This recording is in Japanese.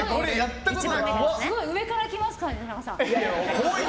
上から来ますからね、田中さん。